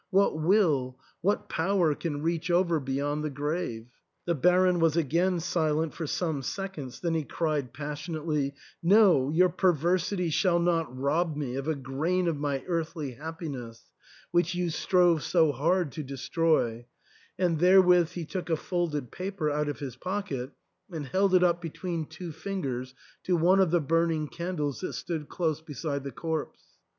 What will — what power can reach over beyond the grave ?" The Baron was silent again for some seconds, then he cried passionately, " No, your perversity shall not rob me of a grain of my earthly happiness, which you strove so hard to destroy," and therewith he took a folded paper out of his pocket and held it up between two fingers to one of the burning candles that stood close beside the corpse.